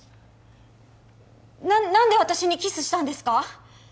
何で私にキスしたんですか？